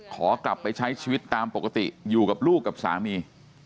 ขอกลับไปใช้ชีวิตตามปกติอยู่กับลูกกับสามี